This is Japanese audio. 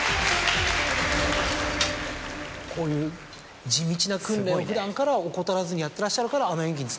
こういう地道な訓練を普段から怠らずにやってらっしゃるから。